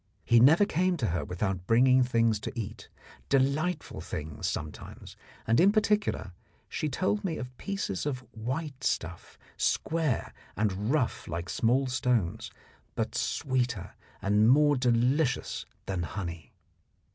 He never came to her without bringing things to eat, delightful things sometimes; and in particular she told me of pieces of white stuff, square and rough like small stones, but sweeter and more delicious than honey.